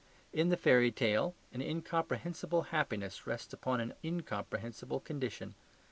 In the fairy tale an incomprehensible happiness rests upon an incomprehensible condition.